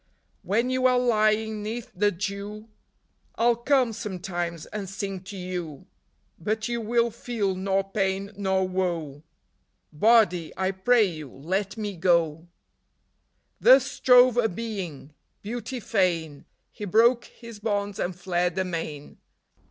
When you are lying 'neath the dew I 'll come, sometimes, and sing to you ; But you will feel nor pain nor woe ; Body, I pray you, let me go !" Thus strove a Being : Beauty fain, He broke his bonds and fled amain.